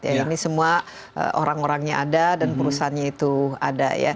ini semua orang orangnya ada dan perusahaannya itu ada